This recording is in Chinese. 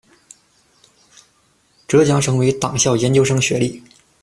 浙江省委党校研究生学历。